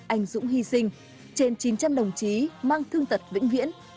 anh dũng hy sinh trên chín trăm linh đồng chí mang thương tật vĩnh viễn